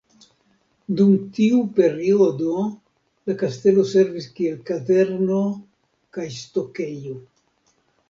Dum tiu periodo la kastelo servis kiel kazerno kaj stokejo.